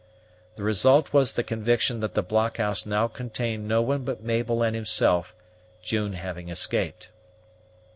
The result was the conviction that the blockhouse now contained no one but Mabel and himself, June having escaped.